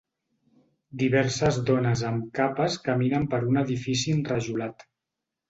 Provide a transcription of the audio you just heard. Diverses dones amb capes caminen per un edifici enrajolat